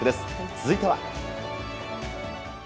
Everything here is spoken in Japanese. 続いては。